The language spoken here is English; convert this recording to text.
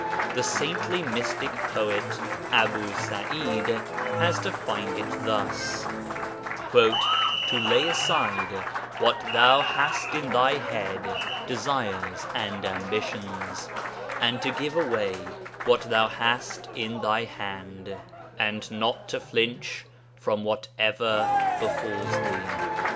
The saintly mystic poet Abu Sa'id had defined it thus: 'To lay aside what thou hast in thy head (desires and ambitions), and to give away what thou hast in thy hand, and not to flinch from whatever befalls thee.'